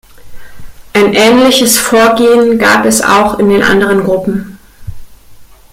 Ein ähnliches Vorgehen gab es auch in den anderen Gruppen.